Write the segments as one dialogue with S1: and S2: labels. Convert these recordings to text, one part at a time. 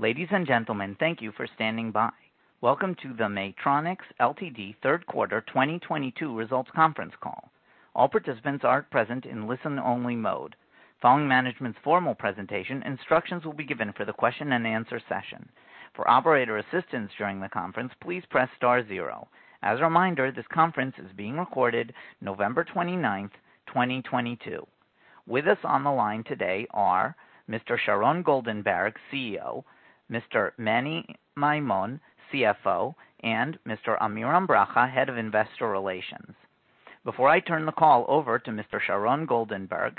S1: Ladies and gentlemen, thank you for standing by. Welcome to the Maytronics Ltd. Third Quarter 2022 Results Conference Call. All participants are present in listen-only mode. Following management's formal presentation, instructions will be given for the question and answer session. For operator assistance during the conference, please press star zero. As a reminder, this conference is being recorded November 29th, 2022. With us on the line today are Mr. Sharon Goldenberg, CEO, Mr. Meni Maymon, CFO, and Mr. Amiram Bracha, Head of Investor Relations. Before I turn the call over to Mr. Sharon Goldenberg,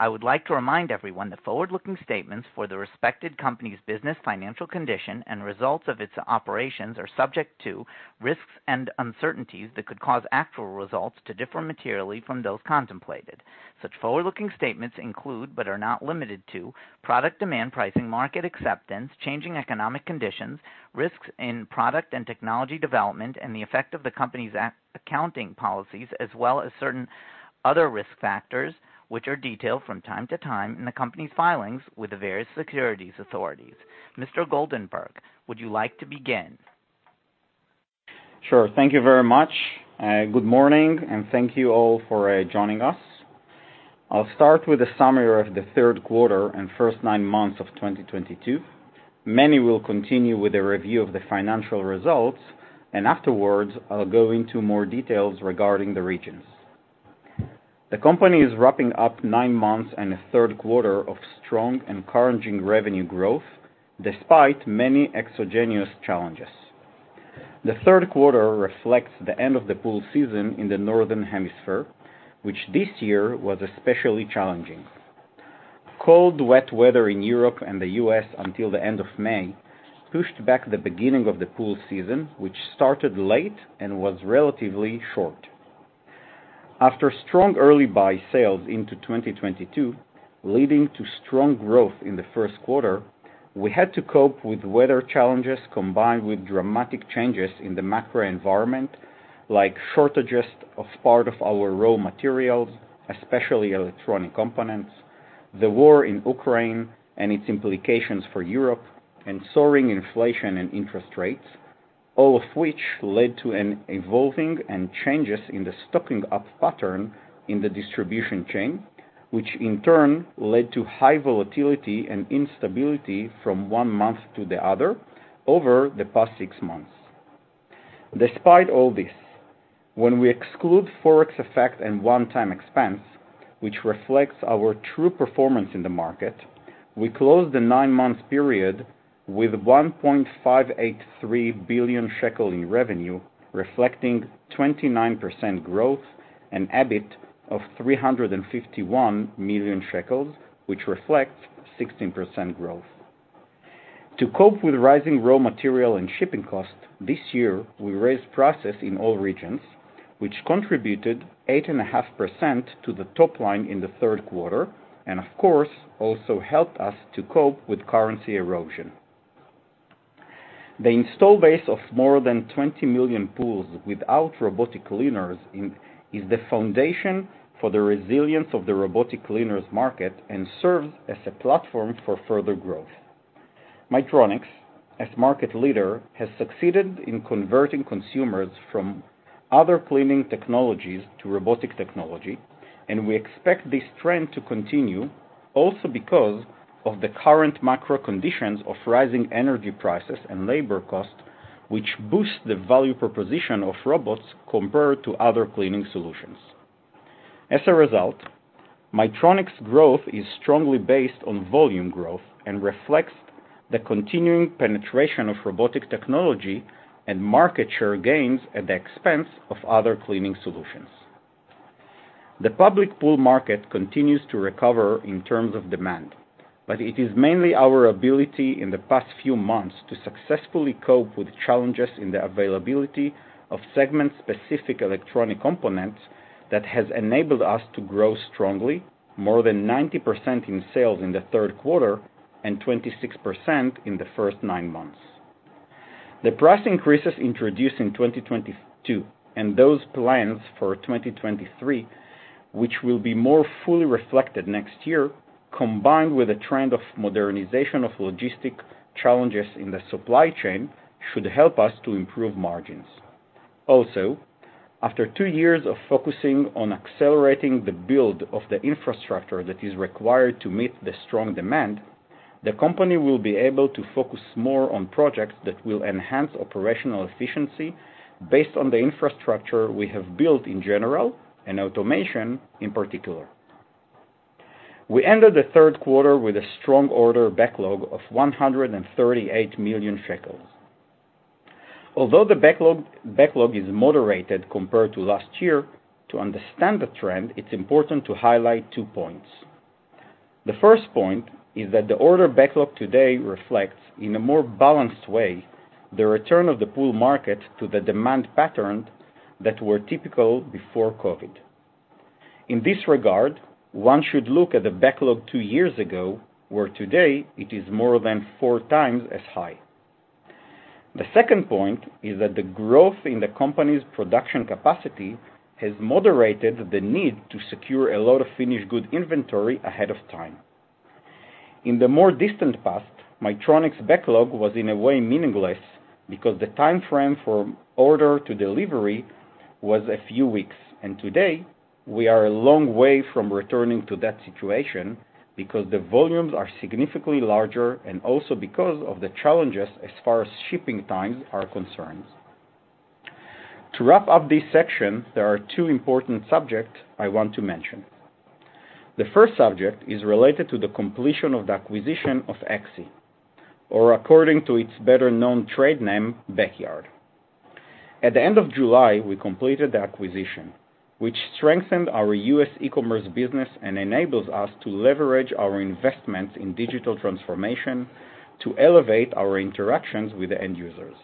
S1: I would like to remind everyone that forward-looking statements for the respected company's business, financial condition, and results of its operations are subject to risks and uncertainties that could cause actual results to differ materially from those contemplated. Such forward-looking statements include, but are not limited to, product demand pricing, market acceptance, changing economic conditions, risks in product and technology development, and the effect of the company's accounting policies, as well as certain other risk factors, which are detailed from time to time in the company's filings with the various securities authorities. Mr. Goldenberg, would you like to begin?
S2: Sure. Thank you very much. Good morning, and thank you all for joining us. I'll start with a summary of the third quarter and first nine months of 2022. Manny will continue with the review of the financial results. Afterwards, I'll go into more details regarding the regions. The company is wrapping up nine months and a third quarter of strong, encouraging revenue growth, despite many exogenous challenges. The third quarter reflects the end of the pool season in the Northern Hemisphere, which this year was especially challenging. Cold, wet weather in Europe and the U.S. until the end of May pushed back the beginning of the pool season, which started late and was relatively short. After strong early buy sales into 2022, leading to strong growth in the first quarter, we had to cope with weather challenges combined with dramatic changes in the macro environment, like shortages of part of our raw materials, especially electronic components, the war in Ukraine and its implications for Europe, and soaring inflation and interest rates, all of which led to an evolving and changes in the stocking up pattern in the distribution chain, which in turn led to high volatility and instability from one month to the other over the past six months. Despite all this, when we exclude Forex effect and one-time expense, which reflects our true performance in the market, we closed the nine-month period with 1.583 billion shekel in revenue, reflecting 29% growth and EBIT of 351 million shekels, which reflects 16% growth. To cope with rising raw material and shipping costs, this year, we raised prices in all regions, which contributed 8.5% to the top line in the third quarter, and of course, also helped us to cope with currency erosion. The install base of more than 20 million pools without robotic cleaners is the foundation for the resilience of the robotic cleaners market and serves as a platform for further growth. Maytronics, as market leader, has succeeded in converting consumers from other cleaning technologies to robotic technology, and we expect this trend to continue also because of the current macro conditions of rising energy prices and labor costs, which boost the value proposition of robots compared to other cleaning solutions. As a result, Maytronics growth is strongly based on volume growth and reflects the continuing penetration of robotic technology and market share gains at the expense of other cleaning solutions. The public pool market continues to recover in terms of demand, but it is mainly our ability in the past few months to successfully cope with challenges in the availability of segment-specific electronic components that has enabled us to grow strongly, more than 90% in sales in the third quarter and 26% in the first nine months. The price increases introduced in 2022 and those plans for 2023, which will be more fully reflected next year, combined with a trend of modernization of logistic challenges in the supply chain, should help us to improve margins. Also, after two years of focusing on accelerating the build of the infrastructure that is required to meet the strong demand, the company will be able to focus more on projects that will enhance operational efficiency based on the infrastructure we have built in general and automation in particular. We ended the third quarter with a strong order backlog of 138 million shekels. Although the backlog is moderated compared to last year, to understand the trend, it's important to highlight two points. The first point is that the order backlog today reflects, in a more balanced way, the return of the pool market to the demand pattern that were typical before COVID. In this regard, one should look at the backlog two years ago, where today it is more than four times as high. The second point is that the growth in the company's production capacity has moderated the need to secure a lot of finished good inventory ahead of time. In the more distant past, Maytronics' backlog was in a way meaningless because the time frame for order to delivery was a few weeks. Today, we are a long way from returning to that situation because the volumes are significantly larger and also because of the challenges as far as shipping times are concerned. To wrap up this section, there are two important subjects I want to mention. The first subject is related to the completion of the acquisition of AXI, or according to its better-known trade name, Backyard. At the end of July, we completed the acquisition, which strengthened our U.S. e-commerce business and enables us to leverage our investment in digital transformation to elevate our interactions with the end users.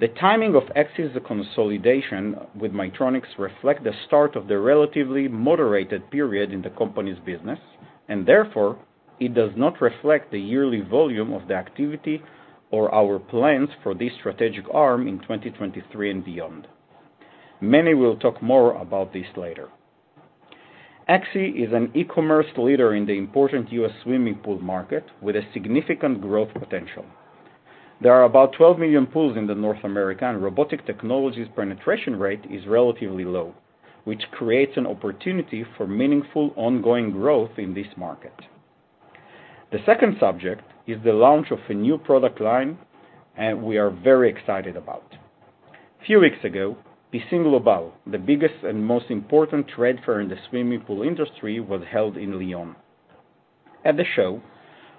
S2: The timing of AXI's consolidation with Maytronics reflect the start of the relatively moderated period in the company's business. Therefore, it does not reflect the yearly volume of the activity or our plans for this strategic arm in 2023 and beyond. Meni will talk more about this later. AXI is an e-commerce leader in the important U.S. swimming pool market with a significant growth potential. There are about 12 million pools in North America, robotic technology's penetration rate is relatively low, which creates an opportunity for meaningful ongoing growth in this market. The second subject is the launch of a new product line, we are very excited about. Few weeks ago, Piscine Global, the biggest and most important trade fair in the swimming pool industry, was held in Lyon. At the show,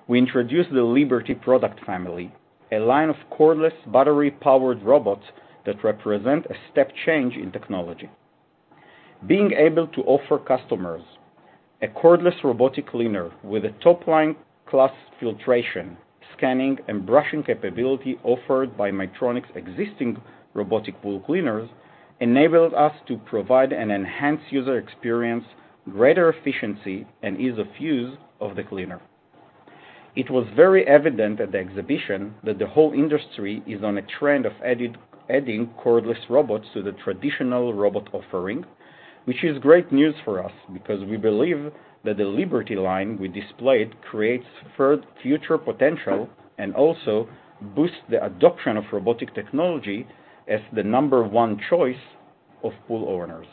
S2: we introduced the Liberty product family, a line of cordless battery-powered robots that represent a step change in technology. Being able to offer customers a cordless robotic cleaner with a top-line class filtration, scanning, and brushing capability offered by Maytronics existing robotic pool cleaners enabled us to provide an enhanced user experience, greater efficiency, and ease of use of the cleaner. It was very evident at the exhibition that the whole industry is on a trend of adding cordless robots to the traditional robot offering, which is great news for us because we believe that the Liberty line we displayed creates future potential and also boosts the adoption of robotic technology as the number one choice of pool owners.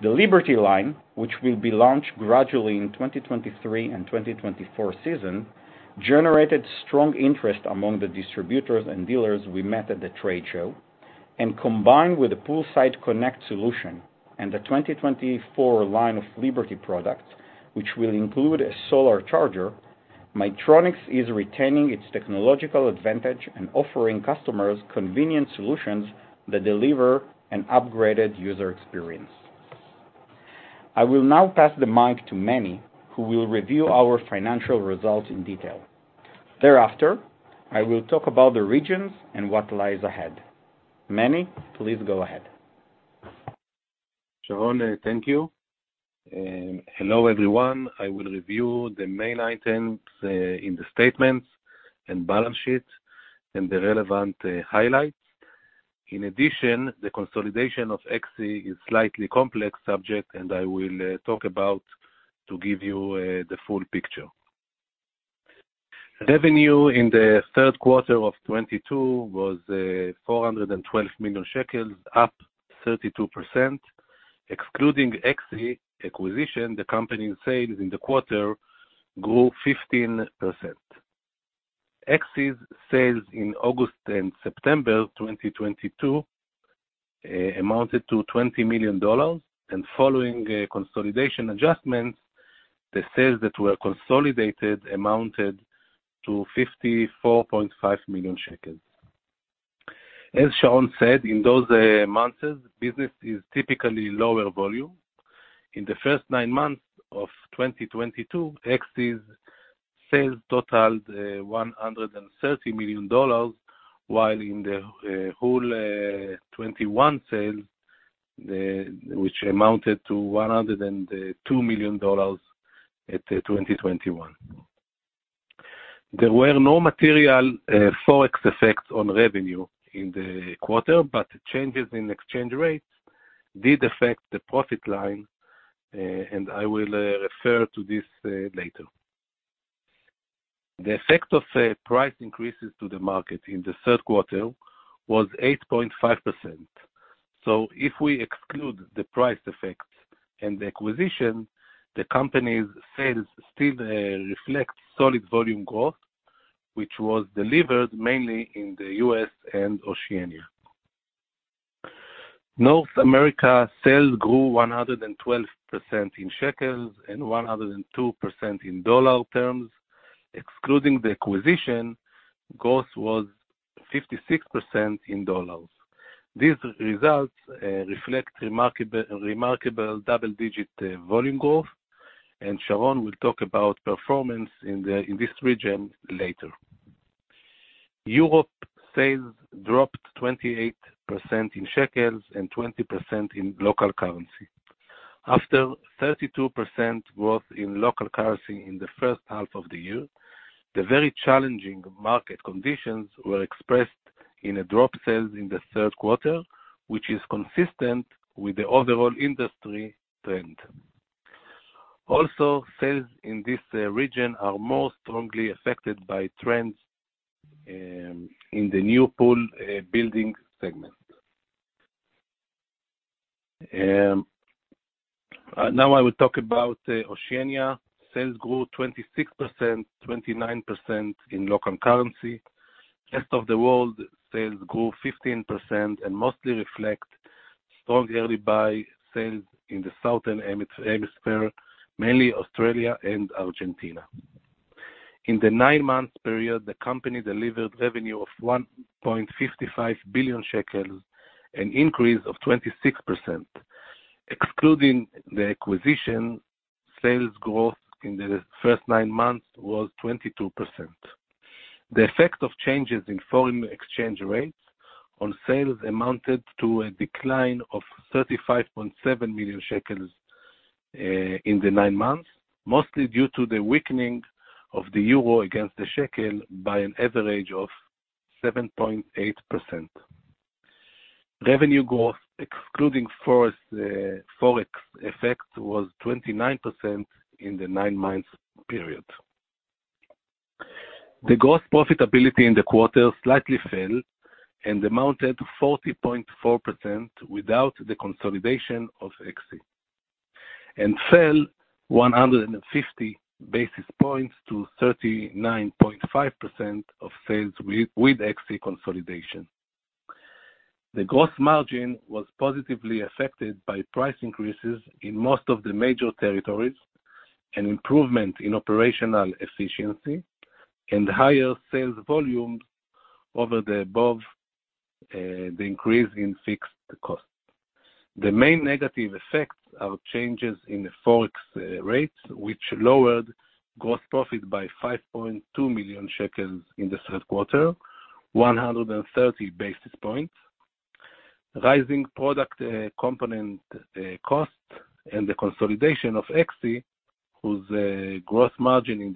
S2: The Liberty line, which will be launched gradually in 2023 and 2024 season, generated strong interest among the distributors and dealers we met at the trade show, and combined with the Poolside Connect solution and the 2024 line of Liberty products, which will include a solar charger, Maytronics is retaining its technological advantage and offering customers convenient solutions that deliver an upgraded user experience. I will now pass the mic to Meni, who will review our financial results in detail. Thereafter, I will talk about the regions and what lies ahead. Meni, please go ahead.
S3: Sharon, thank you. Hello, everyone. I will review the main items in the statements and balance sheet and the relevant highlights. In addition, the consolidation of AXI is slightly complex subject, and I will talk about to give you the full picture. Revenue in the third quarter of 2022 was 412 million shekels, up 32%. Excluding AXI acquisition, the company's sales in the quarter grew 15%. AXI's sales in August and September 2022 amounted to $20 million, and following a consolidation adjustment, the sales that were consolidated amounted to 54.5 million shekels. As Sharon said, in those months, business is typically lower volume. In the first nine months of 2022, AXI's sales totaled $130 million, while in the whole 2021 sales, which amounted to $102 million at 2021. There were no material Forex effects on revenue in the quarter, changes in exchange rates did affect the profit line, and I will refer to this later. The effect of price increases to the market in the third quarter was 8.5%. If we exclude the price effects and the acquisition, the company's sales still reflect solid volume growth, which was delivered mainly in the US and Oceania. North America sales grew 112% in shekel and 102% in US dollar terms. Excluding the acquisition, growth was 56% in US dollar. These results reflect remarkable double-digit volume growth, and Mr. Sharon Goldenberg will talk about performance in this region later. Europe sales dropped 28% in shekels and 20% in local currency. After 32% growth in local currency in the first half of the year, the very challenging market conditions were expressed in a drop sales in the third quarter, which is consistent with the overall industry trend. Also, sales in this region are more strongly affected by trends in the New Pool Building segment. Now I will talk about Oceania. Sales grew 26%, 29% in local currency. Rest of the world sales grew 15% and mostly reflect strong early buy sales in the southern hemisphere, mainly Australia and Argentina. In the nine-month period, the company delivered revenue of 1.55 billion shekels, an increase of 26%. Excluding the acquisition, sales growth in the first nine months was 22%. The effect of changes in foreign exchange rates on sales amounted to a decline of 35.7 million shekels in the nine months, mostly due to the weakening of the euro against the shekel by an average of 7.8%. Revenue growth, excluding Forex effect, was 29% in the nine-month period. The gross profitability in the quarter slightly fell and amounted to 40.4% without the consolidation of AXI, and fell 150 basis points to 39.5% of sales with AXI consolidation. The gross margin was positively affected by price increases in most of the major territories, an improvement in operational efficiency, and higher sales volumes over the above the increase in fixed costs. The main negative effects are changes in the Forex rates, which lowered gross profit by 5.2 million shekels in the third quarter, 130 basis points. Rising product component costs and the consolidation of AXI, whose gross margin in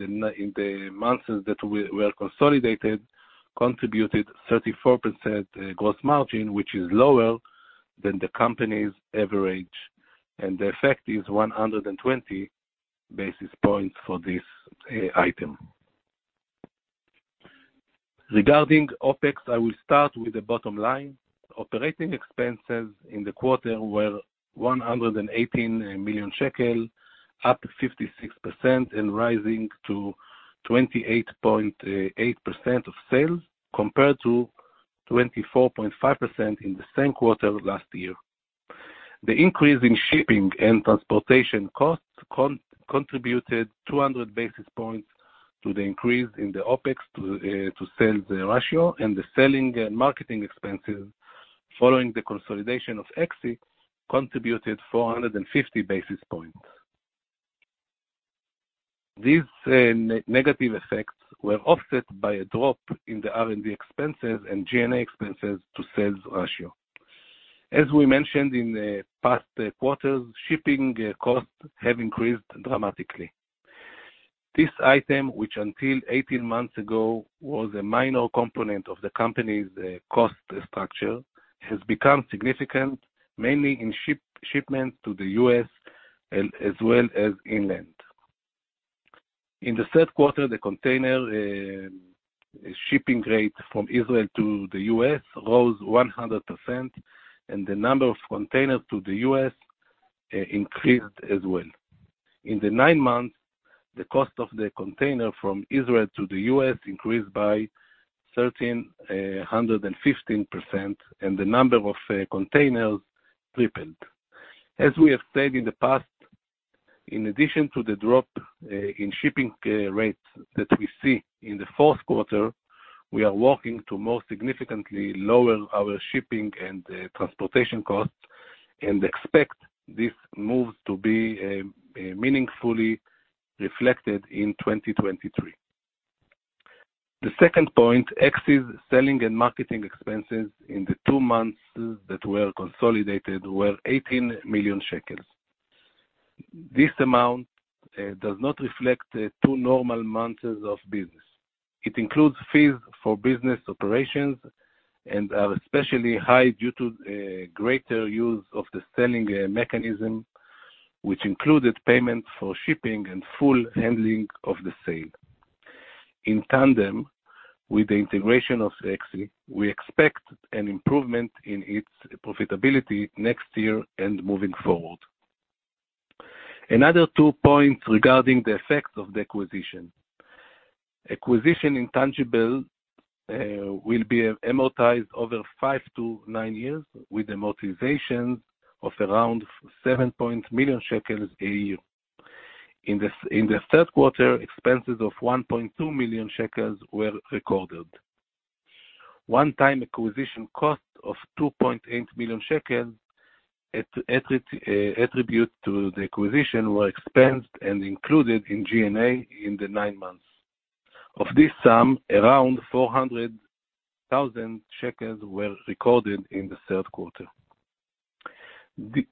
S3: the months that were consolidated, contributed 34% gross margin, which is lower than the company's average, and the effect is 120 basis points for this item. Regarding OpEx, I will start with the bottom line. Operating expenses in the quarter were 118 million shekel, up 56% and rising to 28.8% of sales compared to 24.5% in the same quarter last year. The increase in shipping and transportation costs contributed 200 basis points to the increase in the OpEx to sales ratio, and the selling and marketing expenses following the consolidation of AXI contributed 450 basis points. These negative effects were offset by a drop in the R&D expenses and G&A expenses to sales ratio. As we mentioned in the past quarters, shipping costs have increased dramatically. This item, which until 18 months ago was a minor component of the company's cost structure, has become significant, mainly in shipments to the U.S. and as well as inland. In the third quarter, the container shipping rate from Israel to the U.S. rose 100%, and the number of containers to the U.S. increased as well. In the nine months, the cost of the container from Israel to the US increased by 1,315%, and the number of containers tripled. As we have said in the past, in addition to the drop in shipping rates that we see in the fourth quarter, we are working to more significantly lower our shipping and transportation costs and expect these moves to be meaningfully reflected in 2023. The second point, AXI's selling and marketing expenses in the two months that were consolidated were 18 million shekels. This amount does not reflect two normal months of business. It includes fees for business operations and are especially high due to greater use of the selling mechanism, which included payment for shipping and full handling of the sale. In tandem, with the integration of AXI, we expect an improvement in its profitability next year and moving forward. Another two points regarding the effects of the acquisition. Acquisition intangible will be amortized over 5-9 years with amortizations of around 7 million shekels a year. In the third quarter, expenses of 1.2 million shekels were recorded. One-time acquisition cost of 2.8 million shekels attribute to the acquisition were expensed and included in G&A in the nine months. Of this sum, around 400,000 shekels were recorded in the third quarter.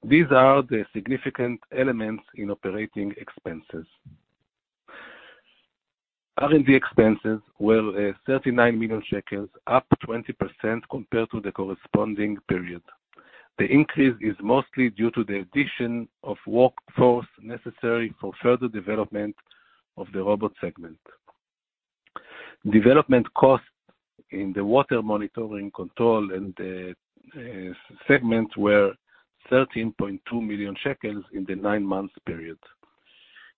S3: These are the significant elements in operating expenses. R&D expenses were 39 million shekels, up 20% compared to the corresponding period. The increase is mostly due to the addition of workforce necessary for further development of the Robot segment. Development costs in the Water Monitoring Control segment were 13.2 million shekels in the nine-month period.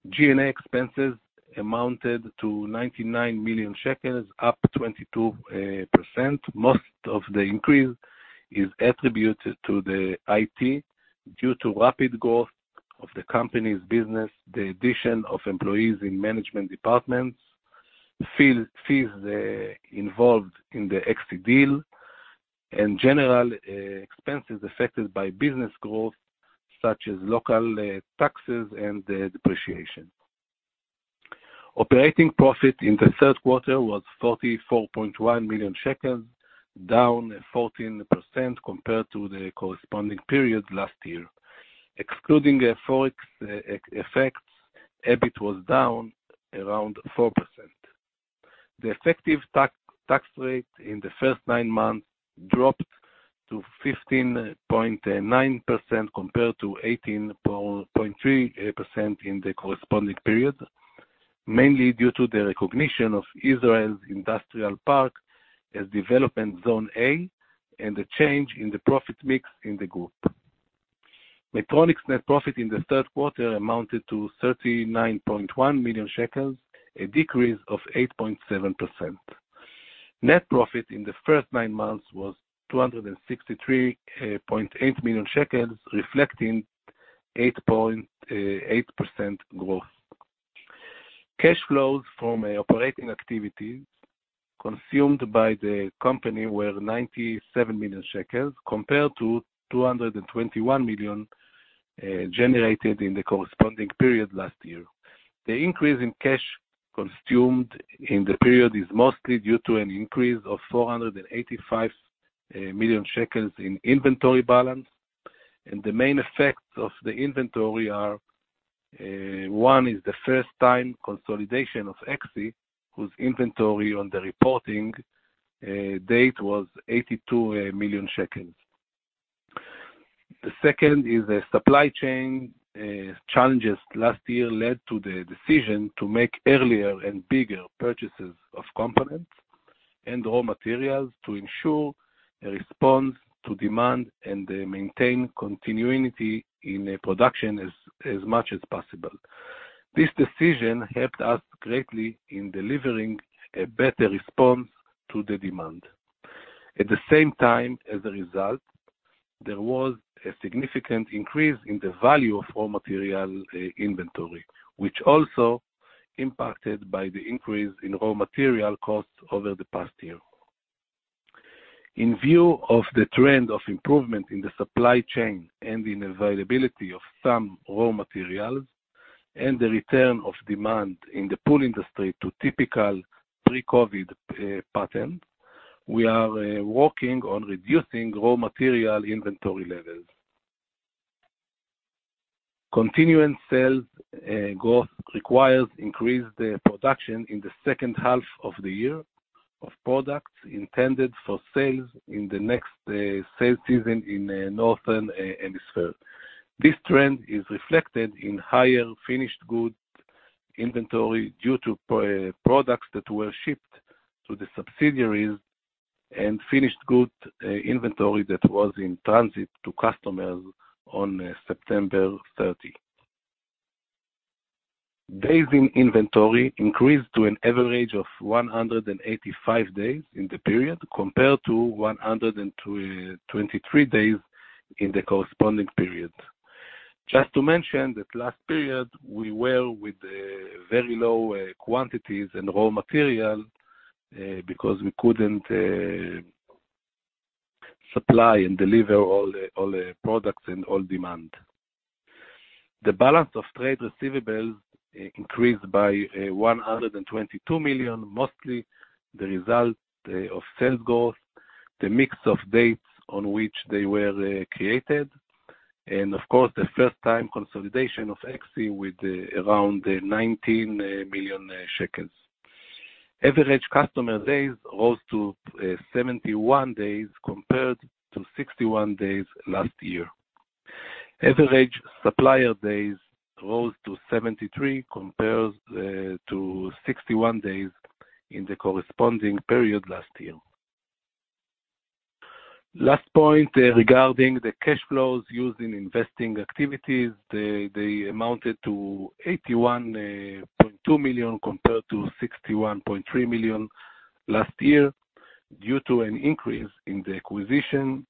S3: G&A expenses amounted to 99 million shekels, up 22%. Most of the increase is attributed to the IT due to rapid growth of the company's business, the addition of employees in management departments, fees involved in the AXI deal, and general expenses affected by business growth, such as local taxes and the depreciation. Operating profit in the third quarter was 44.1 million shekels, down 14% compared to the corresponding period last year. Excluding the Forex effects, EBIT was down around 4%. The effective tax rate in the first nine months dropped to 15.9% compared to 18.3% in the corresponding period, mainly due to the recognition of Israel's industrial park as Development Zone A and the change in the profit mix in the group. Maytronics' net profit in the third quarter amounted to 39.1 million shekels, a decrease of 8.7%. Net profit in the first nine months was 263.8 million shekels, reflecting 8.8% growth. Cash flows from operating activities consumed by the company were 97 million shekels compared to 221 million generated in the corresponding period last year. The increase in cash consumed in the period is mostly due to an increase of 485 million shekels in inventory balance. The main effects of the inventory are, one is the first time consolidation of AXI, whose inventory on the reporting date was 82 million shekels. The second is the supply chain challenges last year led to the decision to make earlier and bigger purchases of components and raw materials to ensure a response to demand and maintain continuity in a production as much as possible. This decision helped us greatly in delivering a better response to the demand. At the same time, as a result, there was a significant increase in the value of raw material inventory, which also impacted by the increase in raw material costs over the past year. In view of the trend of improvement in the supply chain and in availability of some raw materials and the return of demand in the pool industry to typical pre-COVID pattern, we are working on reducing raw material inventory levels. Continuing sales growth requires increased production in the second half of the year of products intended for sales in the next sales season in the Northern Hemisphere. This trend is reflected in higher finished good inventory due to products that were shipped to the subsidiaries and finished good inventory that was in transit to customers on September 30. Days in inventory increased to an average of 185 days in the period, compared to 123 days in the corresponding period. Just to mention that last period, we were with very low quantities in raw material, because we couldn't supply and deliver all the, all the products and all demand. The balance of trade receivables increased by 122 million, mostly the result of sales growth, the mix of dates on which they were created, and of course, the first time consolidation of AXI with around 19 million. Average customer days rose to 71 days compared to 61 days last year. Average supplier days rose to 73 compared to 61 days in the corresponding period last year. Last point, regarding the cash flows used in investing activities, they amounted to 81.2 million compared to 61.3 million last year due to an increase in the acquisition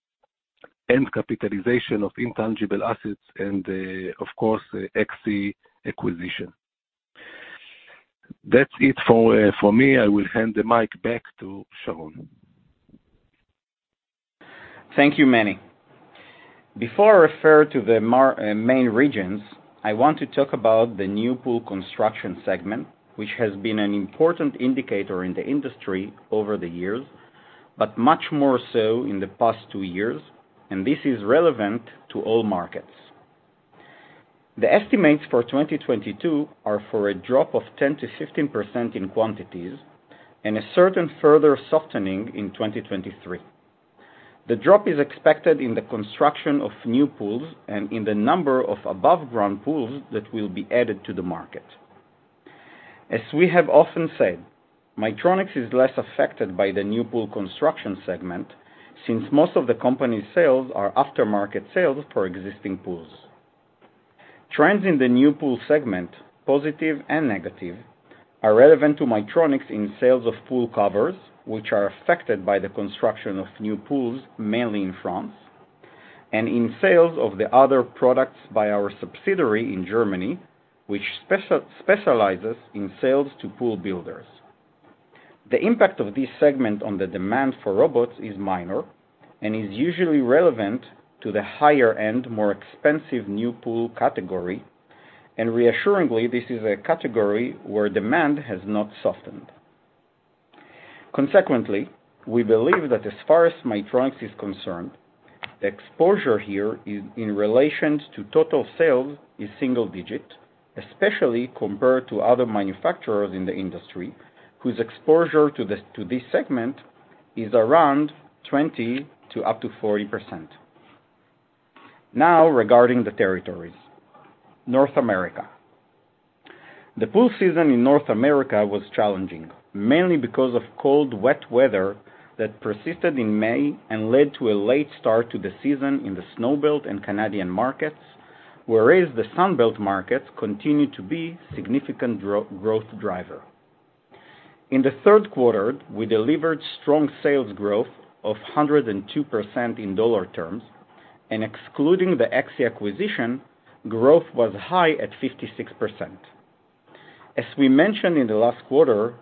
S3: and capitalization of intangible assets and, of course, the AXI acquisition. That's it for me. I will hand the mic back to Sharon.
S2: Thank you, Meni. Before I refer to the main regions, I want to talk about the New Pool Construction segment, which has been an important indicator in the industry over the years, but much more so in the past two years. This is relevant to all markets. The estimates for 2022 are for a drop of 10%-15% in quantities and a certain further softening in 2023. The drop is expected in the construction of new pools and in the number of above-ground pools that will be added to the market. As we have often said, Maytronics is less affected by the New Pool Construction segment since most of the company's sales are aftermarket sales for existing pools. Trends in the New Pool segment, positive and negative, are relevant to Maytronics in sales of pool covers, which are affected by the construction of new pools, mainly in France, and in sales of the other products by our subsidiary in Germany, which specializes in sales to pool builders. The impact of this segment on the demand for robots is minor and is usually relevant to the higher-end, more expensive new pool category, and reassuringly, this is a category where demand has not softened. Consequently, we believe that as far as Maytronics is concerned, the exposure here in relations to total sales is single digit, especially compared to other manufacturers in the industry whose exposure to this segment is around 20%-40%. Regarding the territories. North America. The pool season in North America was challenging, mainly because of cold, wet weather that persisted in May and led to a late start to the season in the Snowbelt and Canadian markets, whereas the Sunbelt markets continued to be significant growth driver. In the third quarter, we delivered strong sales growth of 102% in dollar terms, and excluding the AXI acquisition, growth was high at 56%. As we mentioned in the last quarter,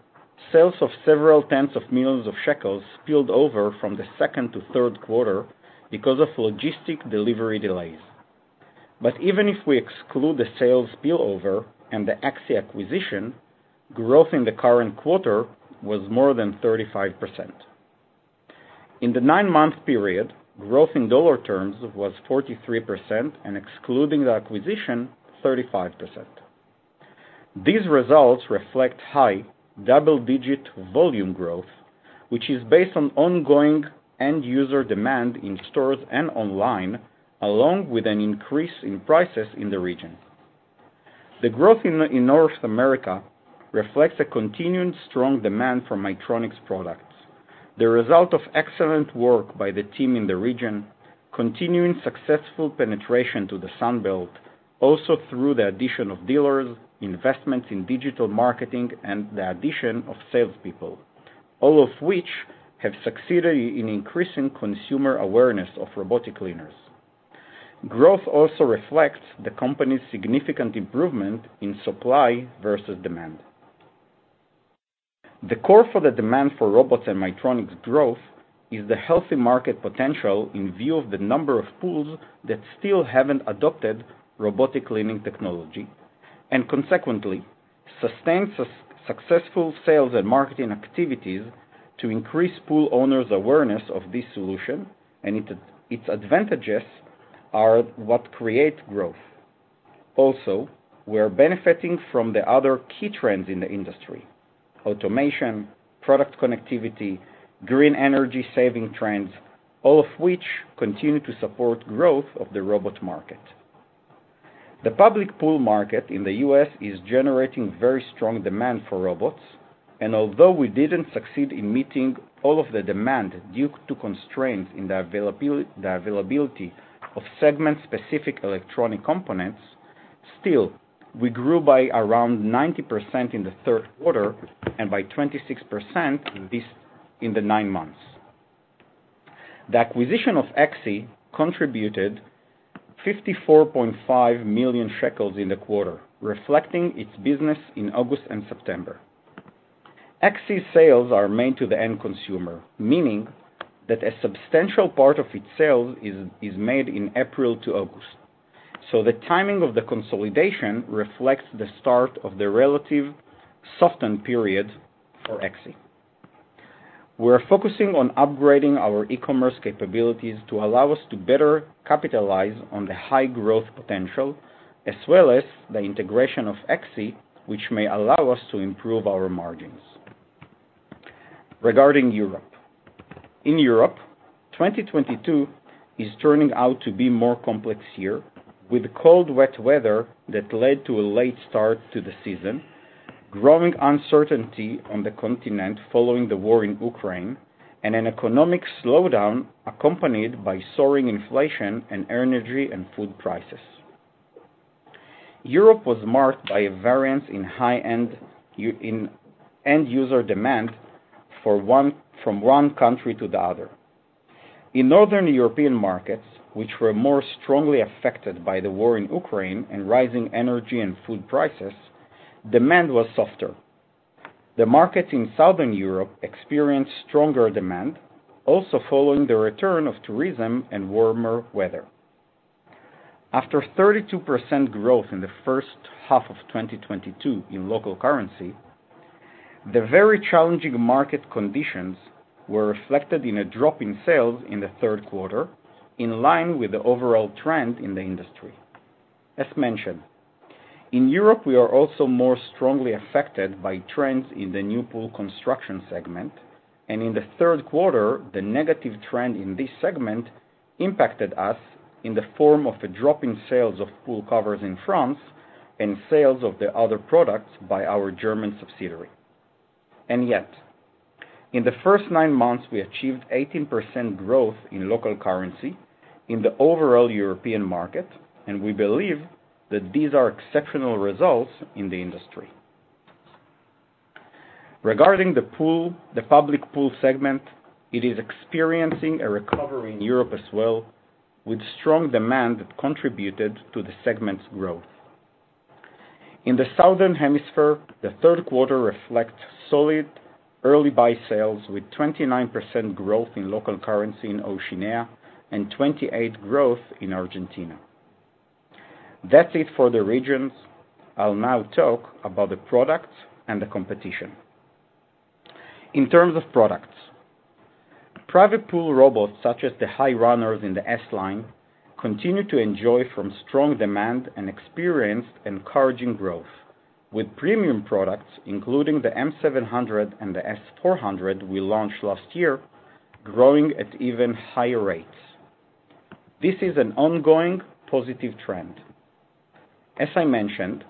S2: sales of several tens of millions of shekels spilled over from the second to third quarter because of logistic delivery delays. Even if we exclude the sales spillover and the AXI acquisition, growth in the current quarter was more than 35%. In the nine-month period, growth in dollar terms was 43%, and excluding the acquisition, 35%. These results reflect high double-digit volume growth, which is based on ongoing end-user demand in stores and online, along with an increase in prices in the region. The growth in North America reflects a continuing strong demand for Maytronics products, the result of excellent work by the team in the region, continuing successful penetration to the Sunbelt, also through the addition of dealers, investments in digital marketing, and the addition of salespeople. All of which have succeeded in increasing consumer awareness of robotic cleaners. Growth also reflects the company's significant improvement in supply versus demand. The core for the demand for robots and Maytronics growth is the healthy market potential in view of the number of pools that still haven't adopted robotic cleaning technology, and consequently, sustained successful sales and marketing activities to increase pool owners' awareness of this solution and its advantages are what create growth. We are benefiting from the other key trends in the industry: automation, product connectivity, green energy saving trends, all of which continue to support growth of the robot market. The public pool market in the U.S. is generating very strong demand for robots, and although we didn't succeed in meeting all of the demand due to constraints in the availability of segment-specific electronic components, still, we grew by around 90% in the third quarter and by 26% this in the nine months. The acquisition of AXI contributed 54.5 million shekels in the quarter, reflecting its business in August and September. AXI sales are made to the end consumer, meaning that a substantial part of its sales is made in April to August. The timing of the consolidation reflects the start of the relative softened period for AXI. We're focusing on upgrading our e-commerce capabilities to allow us to better capitalize on the high growth potential, as well as the integration of AXI, which may allow us to improve our margins. Regarding Europe. In Europe, 2022 is turning out to be more complex year, with cold, wet weather that led to a late start to the season, growing uncertainty on the continent following the war in Ukraine, and an economic slowdown accompanied by soaring inflation and energy and food prices. Europe was marked by a variance in high-end in end-user demand from one country to the other. In Northern European markets, which were more strongly affected by the war in Ukraine and rising energy and food prices, demand was softer. The markets in Southern Europe experienced stronger demand, also following the return of tourism and warmer weather. After 32% growth in the first half of 2022 in local currency, the very challenging market conditions were reflected in a drop in sales in the third quarter, in line with the overall trend in the industry. As mentioned, in Europe, we are also more strongly affected by trends in the New Pool Construction segment. In the third quarter, the negative trend in this segment impacted us in the form of a drop in sales of pool covers in France and sales of the other products by our German subsidiary. Yet, in the first nine months, we achieved 18% growth in local currency in the overall European market, and we believe that these are exceptional results in the industry. Regarding the pool, the Public Pool segment, it is experiencing a recovery in Europe as well, with strong demand that contributed to the segment's growth. In the Southern Hemisphere, the third quarter reflects solid early buy sales with 29% growth in local currency in Oceania and 28% growth in Argentina. That's it for the regions. I'll now talk about the products and the competition. In terms of products, private pool robots, such as the high runners in the S-Line, continue to enjoy from strong demand and experienced encouraging growth. With premium products, including the M 700 and the S 400 we launched last year, growing at even higher rates. This is an ongoing positive trend. As I mentioned,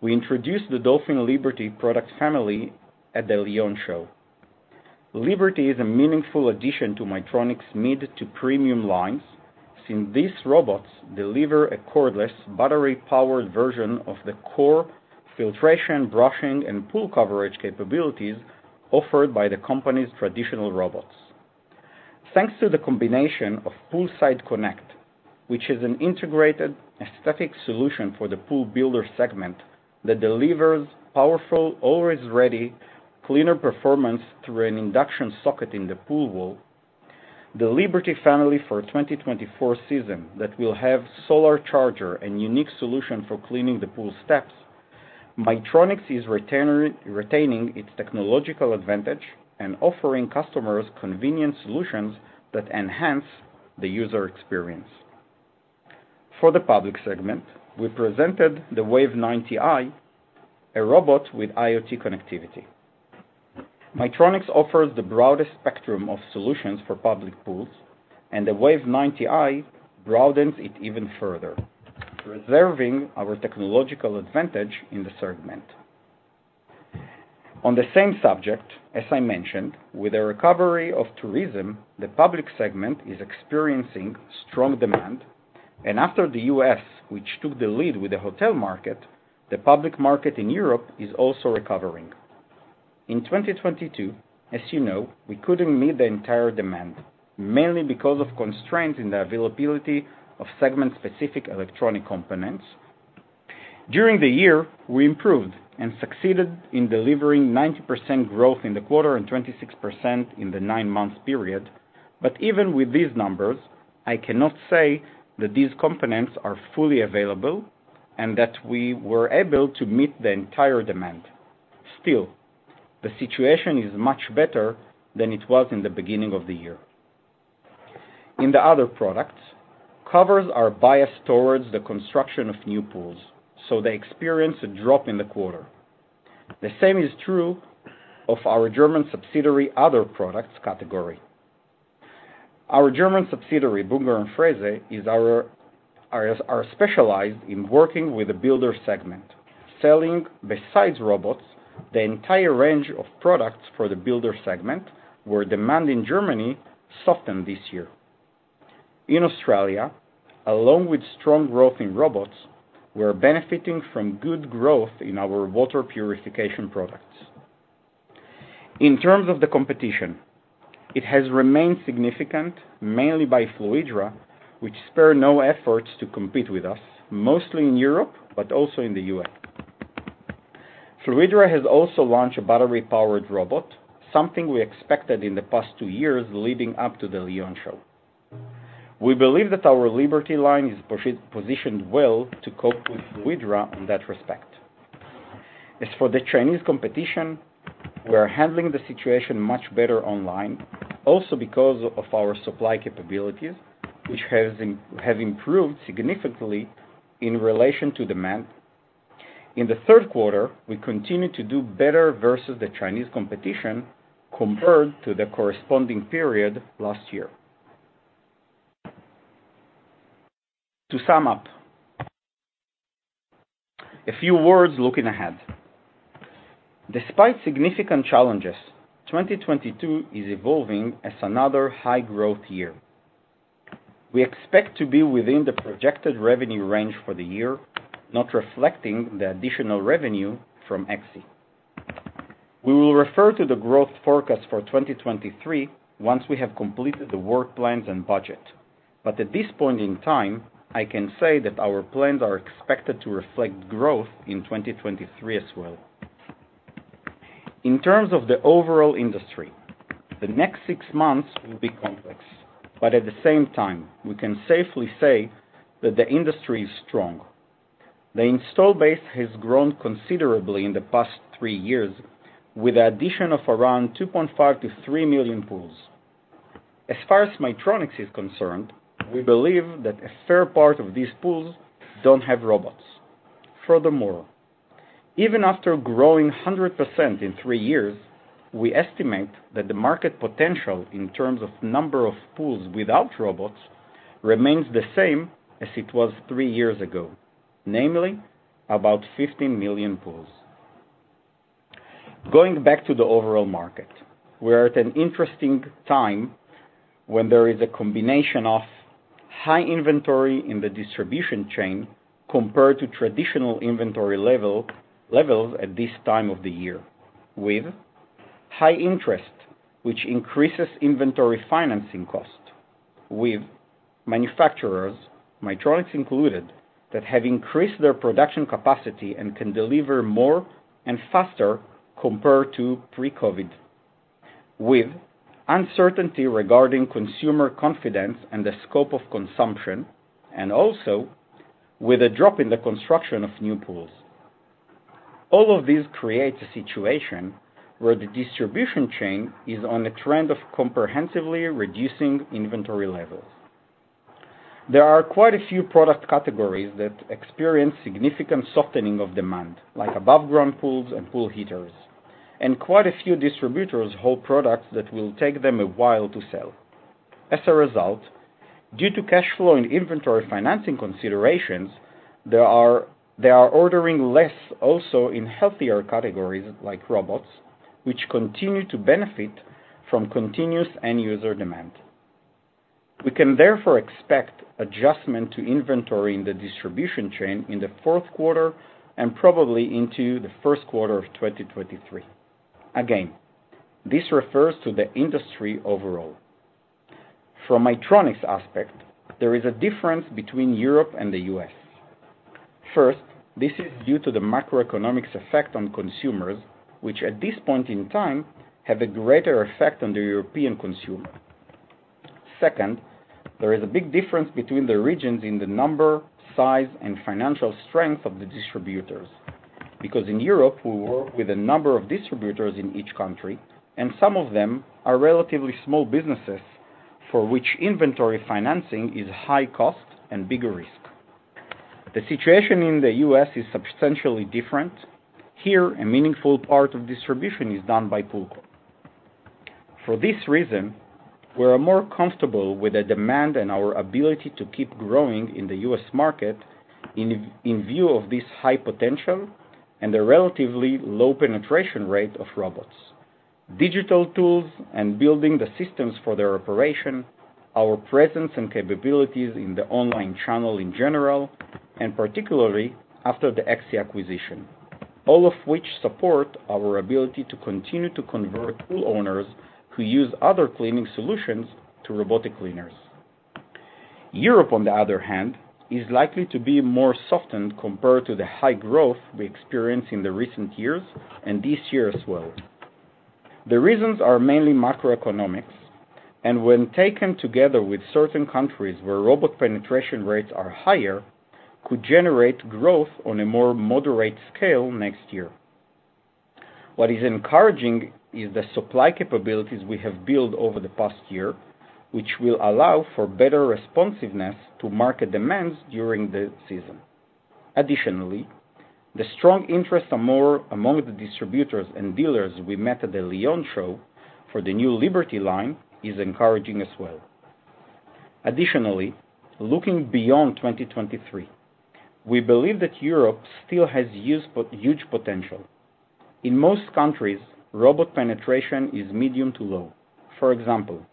S2: we introduced the Dolphin Liberty product family at the Lyon Show. Liberty is a meaningful addition to Maytronics' mid to premium lines, since these robots deliver a cordless battery-powered version of the core filtration, brushing, and pool coverage capabilities offered by the company's traditional robots. Thanks to the combination of Poolside Connect, which is an integrated aesthetic solution for the Pool Builder segment that delivers powerful, always ready, cleaner performance through an induction socket in the pool wall. The Liberty family for 2024 season that will have solar charger and unique solution for cleaning the pool steps. Maytronics is retaining its technological advantage and offering customers convenient solutions that enhance the user experience. For the Public segment, we presented the Wave 90i, a robot with IoT connectivity. Maytronics offers the broadest spectrum of solutions for public pools, the Wave 90i broadens it even further, preserving our technological advantage in the segment. On the same subject, as I mentioned, with a recovery of tourism, the Public segment is experiencing strong demand. After the U.S., which took the lead with the hotel market, the public market in Europe is also recovering. In 2022, as you know, we couldn't meet the entire demand, mainly because of constraints in the availability of segment-specific electronic components. During the year, we improved and succeeded in delivering 90% growth in the quarter and 26% in the nine-month period. Even with these numbers, I cannot say that these components are fully available and that we were able to meet the entire demand. The situation is much better than it was in the beginning of the year. In the other products, covers are biased towards the construction of new pools, they experience a drop in the quarter. The same is true of our German subsidiary other products category. Our German subsidiary, Bünger & Frese, are specialized in working with the Builder segment, selling, besides robots, the entire range of products for the Builder segment, where demand in Germany softened this year. In Australia, along with strong growth in robots, we're benefiting from good growth in our water purification products. In terms of the competition, it has remained significant, mainly by Fluidra, which spare no efforts to compete with us, mostly in Europe, but also in the US. Fluidra has also launched a battery-powered robot, something we expected in the past two years leading up to the Lyon Show. We believe that our Liberty line is positioned well to cope with Fluidra in that respect. As for the Chinese competition, we are handling the situation much better online, also because of our supply capabilities, which have improved significantly in relation to demand. In the third quarter, we continue to do better versus the Chinese competition compared to the corresponding period last year. To sum up, a few words looking ahead. Despite significant challenges, 2022 is evolving as another high-growth year. We expect to be within the projected revenue range for the year, not reflecting the additional revenue from AXI. We will refer to the growth forecast for 2023 once we have completed the work plans and budget. At this point in time, I can say that our plans are expected to reflect growth in 2023 as well. In terms of the overall industry, the next six months will be complex, but at the same time, we can safely say that the industry is strong. The install base has grown considerably in the past three years, with the addition of around 2.5 million-3 million pools. As far as Maytronics is concerned, we believe that a fair part of these pools don't have robots. Furthermore, even after growing 100% in three years, we estimate that the market potential in terms of number of pools without robots remains the same as it was three years ago, namely about 15 million pools. Going back to the overall market, we're at an interesting time when there is a combination of high inventory in the distribution chain compared to traditional inventory level, levels at this time of the year, with high interest, which increases inventory financing cost, with manufacturers, Maytronics included, that have increased their production capacity and can deliver more and faster compared to pre-COVID, with uncertainty regarding consumer confidence and the scope of consumption, and also with a drop in the construction of new pools. All of these creates a situation where the distribution chain is on a trend of comprehensively reducing inventory levels. There are quite a few product categories that experience significant softening of demand, like above ground pools and pool heaters. Quite a few distributors hold products that will take them a while to sell. As a result, due to cash flow and inventory financing considerations, they are ordering less also in healthier categories like robots, which continue to benefit from continuous end user demand. We can therefore expect adjustment to inventory in the distribution chain in the fourth quarter and probably into the first quarter of 2023. Again, this refers to the industry overall. From Maytronics aspect, there is a difference between Europe and the U.S. This is due to the macroeconomics effect on consumers, which at this point in time have a greater effect on the European consumer. There is a big difference between the regions in the number, size, and financial strength of the distributors, because in Europe we work with a number of distributors in each country, and some of them are relatively small businesses for which inventory financing is high cost and bigger risk. The situation in the U.S. is substantially different. Here, a meaningful part of distribution is done by pool. We are more comfortable with the demand and our ability to keep growing in the U.S. market in view of this high potential and the relatively low penetration rate of robots. Digital tools and building the systems for their operation, our presence and capabilities in the online channel in general, and particularly after the AXI acquisition, all of which support our ability to continue to convert pool owners who use other cleaning solutions to robotic cleaners. On the other hand, Europe is likely to be more softened compared to the high growth we experienced in the recent years and this year as well. The reasons are mainly macroeconomics, and when taken together with certain countries where robot penetration rates are higher, could generate growth on a more moderate scale next year. What is encouraging is the supply capabilities we have built over the past year, which will allow for better responsiveness to market demands during the season. Additionally, the strong interest among the distributors and dealers we met at the Lyon Show for the new Liberty line is encouraging as well. Additionally, looking beyond 2023, we believe that Europe still has huge potential. In most countries, robot penetration is medium to low. For example,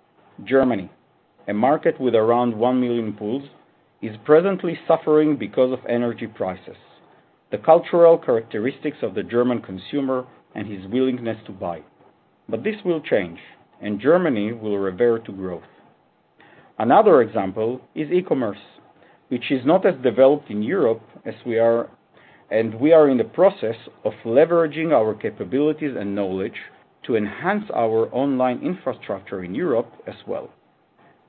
S2: Germany, a market with around 1 million pools, is presently suffering because of energy prices, the cultural characteristics of the German consumer and his willingness to buy. This will change, and Germany will revert to growth. Another example is e-commerce, which is not as developed in Europe as we are, and we are in the process of leveraging our capabilities and knowledge to enhance our online infrastructure in Europe as well.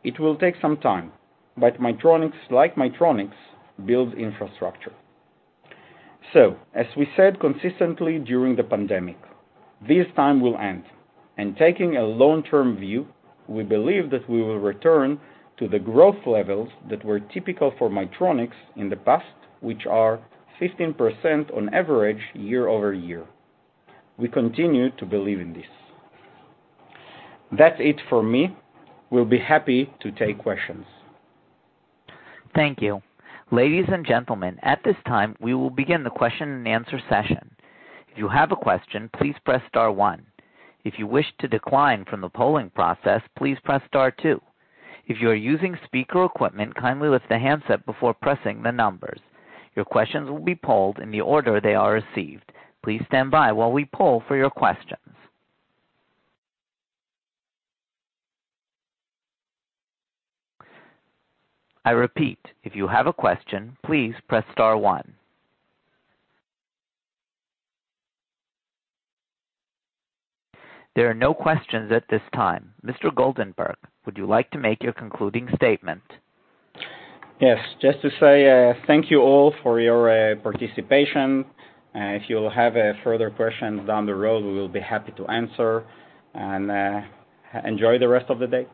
S2: It will take some time, like Maytronics builds infrastructure. As we said consistently during the pandemic, this time will end, and taking a long-term view, we believe that we will return to the growth levels that were typical for Maytronics in the past, which are 15% on average year-over-year. We continue to believe in this. That's it for me. We'll be happy to take questions.
S1: Thank you. Ladies and gentlemen, at this time, we will begin the question and answer session. If you have a question, please press star one. If you wish to decline from the polling process, please press star two. If you are using speaker equipment, kindly lift the handset before pressing the numbers. Your questions will be polled in the order they are received. Please stand by while we poll for your questions. I repeat, if you have a question, please press star one. There are no questions at this time. Mr. Goldenberg, would you like to make your concluding statement?
S2: Yes. Just to say, thank you all for your participation. If you'll have further questions down the road, we will be happy to answer, and enjoy the rest of the day.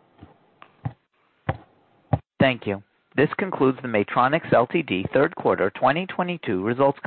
S1: Thank you. This concludes the Maytronics Ltd. Third Quarter 2022 Results Call.